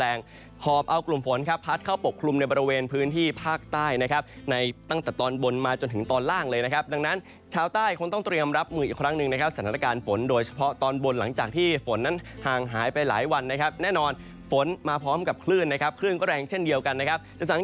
หอบเอากลุ่มฝนครับพัดเข้าปกคลุมในบริเวณพื้นที่ภาคใต้นะครับในตั้งแต่ตอนบนมาจนถึงตอนล่างเลยนะครับดังนั้นชาวใต้คงต้องเตรียมรับมืออีกครั้งหนึ่งนะครับสถานการณ์ฝนโดยเฉพาะตอนบนหลังจากที่ฝนนั้นห่างหายไปหลายวันนะครับแน่นอนฝนมาพร้อมกับคลื่นนะครับคลื่นก็แรงเช่นเดียวกันนะครับจะสัง